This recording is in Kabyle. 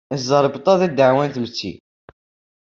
Imẓeṛbeṭṭa d iɛdawen n tmetti.